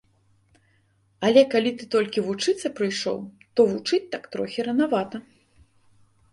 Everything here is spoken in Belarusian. Але калі ты толькі вучыцца прыйшоў, то вучыць так трохі ранавата.